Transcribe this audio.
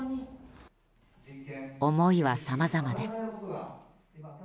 思いはさまざまです。